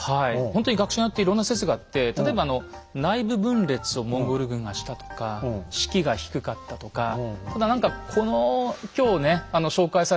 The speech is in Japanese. ほんとに学者によっていろんな説があって例えば内部分裂をモンゴル軍がしたとか士気が低かったとかただ何かこの今日ね紹介された説を見ると。